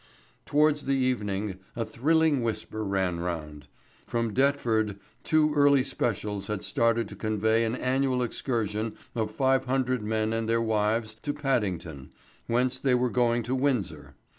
Towards the evening a thrilling whisper ran round. From Deptford two early specials had started to convey an annual excursion of five hundred men and their wives to Paddington, whence they were going to Windsor.